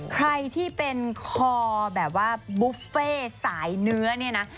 ใครที่เป็นคอแบบว่าบุฟเฟ่สายเนื้อเนี่ยนะ